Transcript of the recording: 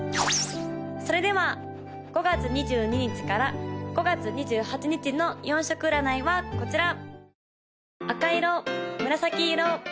・それでは５月２２日から５月２８日の４色占いはこちら！